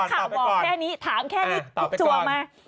นักข่าวบอกแค่นี้ถามแค่นี้ทุกตัวมา